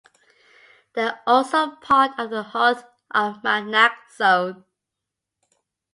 They are also part of the Haut-Armagnac zone.